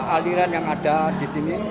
aliran yang ada disini